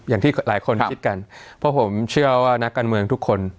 อย่างที่หลายคนคิดกันเพราะผมเชื่อว่านักการเมืองทุกคน